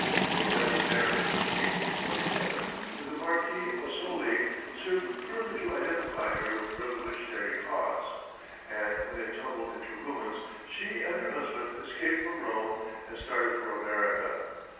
A romantic marriage, in 1847, with the Marquis Ossoli, served further to identify her with the revolutionary cause, and when it tumbled into ruins, she and her husband escaped from Rome and started for America.